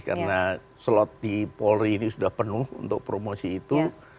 karena slot di polri ini sudah penuh untuk promosi itu